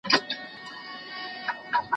زه مخکي ليکنه کړې وه؟